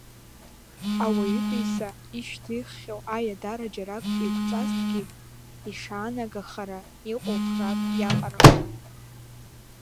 Ауаҩытәыҩса ишьҭиххьоу аиадара џьарак еиқәҵазҭгьы, ишаанагахара иҟоу храк иаҟарахон.